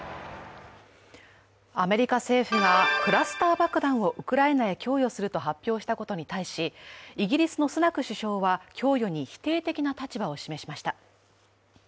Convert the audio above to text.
アメリカ政府がクラスター爆弾をウクライナへ供与すると発表したことに対しイギリスのスナク首相は、供与に否定的な立場を示しました。